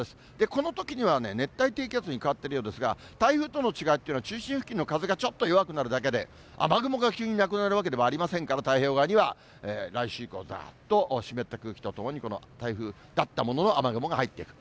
このときには熱帯低気圧に変わっているようですが、台風との違いというのは、中心付近の風がちょっと弱くなるだけで、雨雲が急になくなるわけではありませんから、太平洋側には来週以降、だーっと湿った空気と台風だったものの雨雲が入ってくる。